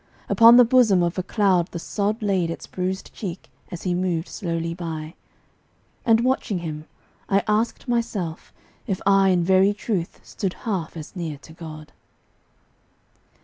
Upon the bosom of a cloud the sod Laid its bruised cheek as he moved slowly by, And, watching him, I asked myself if I In very truth stood half as near to God.